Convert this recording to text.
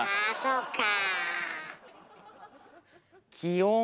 あそうか。